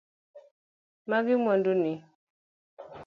Magi mwandu ni.